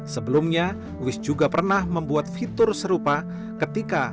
sebelumnya wis juga pernah membuat fitur serupa ketika